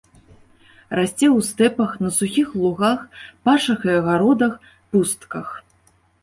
Расце ў стэпах, на сухіх лугах, пашах і агародах, пустках.